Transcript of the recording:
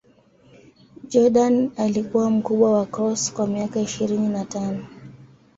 Jordan alikuwa mkubwa wa Cross kwa miaka ishirini na tano.